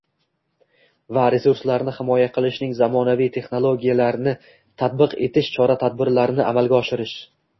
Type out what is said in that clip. va resurslarini himoya qilishning zamonaviy texnologiyalarini tatbiq etish chora-tadbirlarini amalga oshirish